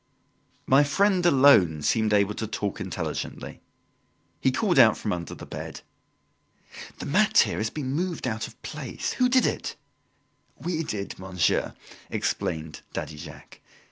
My friend alone seemed able to talk intelligently. He called out from under the bed. "The mat here has been moved out of place, who did it?" "We did, monsieur," explained Daddy Jacques.